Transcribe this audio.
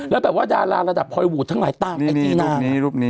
แล้วแบบว่าดาราณระดับหอยหวูดทั้งหลายตามไอจีนางนี่นี่รูปนี้รูปนี้